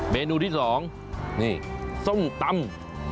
เมนูที่๒นี่ส้มตำ